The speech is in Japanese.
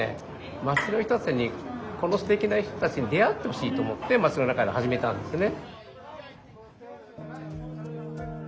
町の人たちにこのすてきな人たちに出会ってほしいと思って町の中で始めたんですよね。